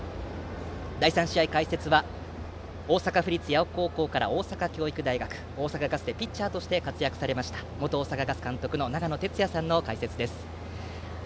第３試合解説は大阪府立八尾高校から大阪教育大学大阪ガスで、ピッチャーとして活躍されました元大阪ガス監督の長野哲也さんの解説です。